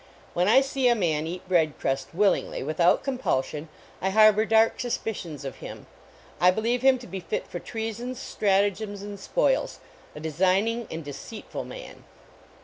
When I . ee a man eat bread crust willingly, without compulsion, I harbor dark Mispicions of him. I believe him to be fit for treasons, stratagems and spoils; a design ing and deceitful man.